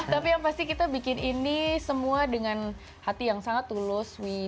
tapi yang pasti kita bikin ini semua dengan hati yang sangat tulus